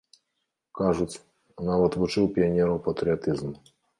Кажуць, нават вучыў піянераў патрыятызму.